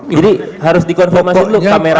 jadi harus dikonfirmasi dulu kamera apa